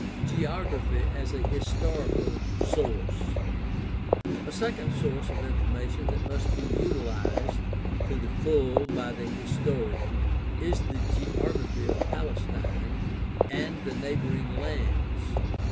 Geography as a historical source. — A second source of information that must be utilized to the full by the historian is the geography of Palestine and the neighboring lands.